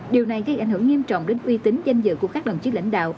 điều này gây ảnh hưởng nghiêm trọng đến uy tín danh dự của các đồng chí lãnh đạo